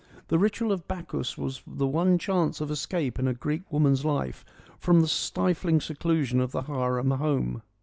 The ritual of Bacchus was the one chance of escape in a Greek woman's life from the stifling seclusion of the harem home.